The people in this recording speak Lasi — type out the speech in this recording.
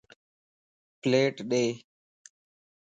پليٽ ڏي